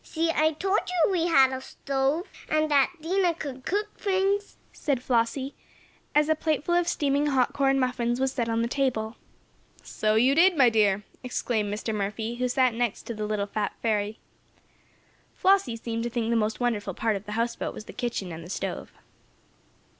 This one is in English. "See! I told you we had a stove, and that Dinah could cook things," said Flossie, as a plate full of steaming hot corn muffins was set on the table. "So you did, my dear!" exclaimed Mr. Murphy, who sat next to the little "fat fairy." Flossie seemed to think the most wonderful part of the houseboat was the kitchen and the stove.